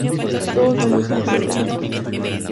Todo salió sin problemas.